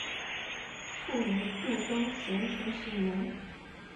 卒于度宗咸淳十年。